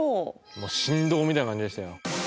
もう神童みたいな感じでしたよ。